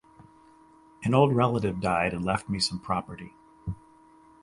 An old relative died and left me some property.